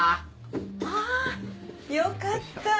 あよかった。